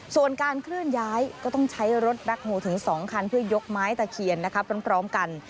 ส่วนการเคลื่อนย้ายก็ต้องใช้รถแบ็คโฮลถึง๒คันเพื่อยกไม้ตะเคียนพร้อมกัน